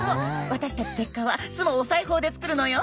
私たちセッカは巣もお裁縫で作るのよ。